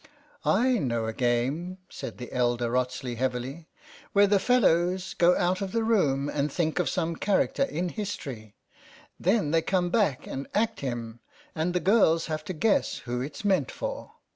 " I know a game," said the elder Wrotsley heavily, "where the fellows go out of the room, and think of some character in history ; then they come back and act him, and the girls have to guess who it's meant for."